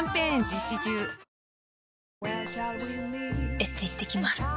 エステ行ってきます。